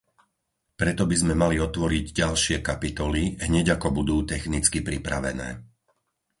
Preto by sme mali otvoriť ďalšie kapitoly, hneď ako budú technicky pripravené.